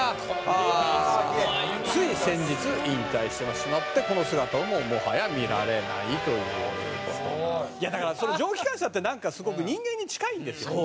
「うわあキレイ」「つい先日引退してしまってこの姿はもうもはや見られないという」だから蒸気機関車ってなんかすごく人間に近いんですよ。